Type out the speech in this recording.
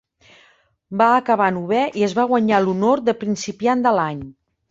Va acabar novè i es va guanyar l'honor de principiant de l'any.